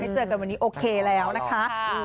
เจอกันวันนี้โอเคแล้วนะคะ